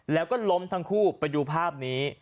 แล้วก็ล้มทั้งคู่ไปดูภาพนี้